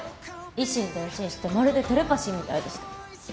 以心伝心してまるでテレパシーみたいでした。